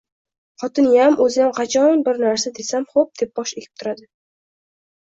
Xotiniyam, o‘ziyam qachon bir narsa desam, xo‘p deb bosh egib turadi